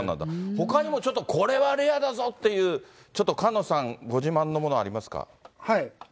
ほかにもちょっとこれはレアなんだぞという、ちょっと菅野さんご自慢のものありますか？